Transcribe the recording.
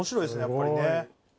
やっぱりね。